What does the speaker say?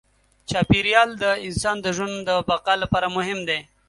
چاپېریال د انسان د ژوند د بقا لپاره مهم دی.